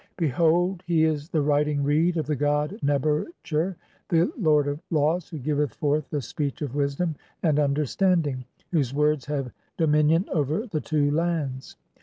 "Behold, he is the writing reed of the god Neb er tcher, the "lord of laws, (4) who giveth forth the speech of wisdom and "understanding, whose words have dominion over the two lands.